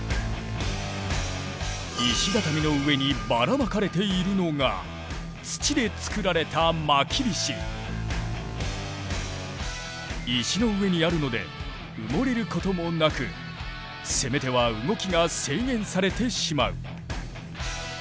石畳の上にばらまかれているのが土で作られた石の上にあるので埋もれることもなく攻め手は動きが制限されてしまう。